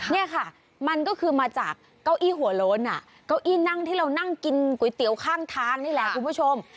นี่ค่ะมันก็คือมาจากเก้าอี้หัวโล้นเก้าอี้นั่งที่เรานั่งกินก๋วยเตี๋ยวข้างทางนี่แหละคุณผู้ชม